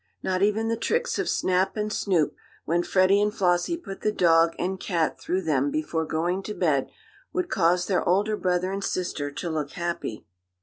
Not even the tricks of Snap and Snoop, when Freddie and Flossie put the dog and cat through them before going to bed, would cause their older brother and sister to look happy.